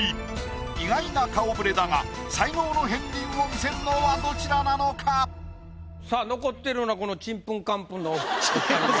意外な顔ぶれだが才能の片鱗を見せるのはどちらなのか⁉さあ残っているのはこのちんぷんかんぷんのお２人でございます。